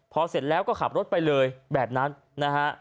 พอเสร็จแล้วก็ขับรถไปเลยแบบนั้นนะฮะ